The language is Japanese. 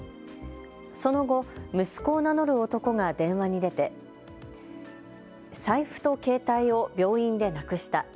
その後、息子を名乗る男が電話に出て財布と携帯を病院でなくした。